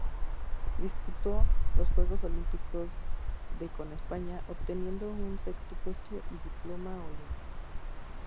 Disputó los Juegos Olímpicos de con España, obteniendo un sexto puesto y diploma olímpico.